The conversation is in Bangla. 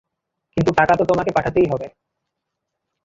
কিন্তু টাকা তো তোমাকে পাঠাতেই হবে।